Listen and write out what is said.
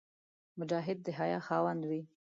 مجاهد د حیا خاوند وي.